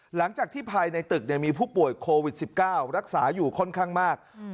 หลังจากที่ภายในตึกเนี่ยมีผู้ป่วยโควิดสิบเก้ารักษาอยู่ค่อนข้างมากอืม